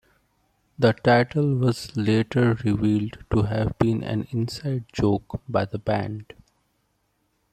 The title was later revealed to have been an inside-joke by the band.